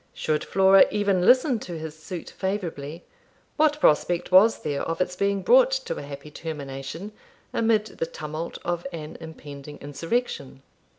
Should Flora even listen to his suit favourably, what prospect was there of its being brought to a happy termination amid the tumult of an impending insurrection?